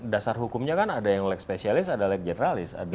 dasar hukumnya kan ada yang leg spesialis ada yang leg generalis ada kuap